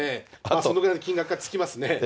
そのぐらいの金額がつきますね。